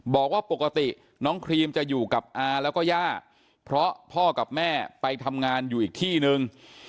บอกว่าปกติน้องครีมจะอยู่กับอาแล้วก็ย่าเพราะพ่อกับแม่ไปทำงานอยู่อีกที่นึง